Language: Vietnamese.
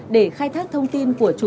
để khai thác thông tin của chủ đề